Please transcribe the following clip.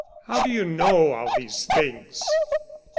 "How do you know all these things?"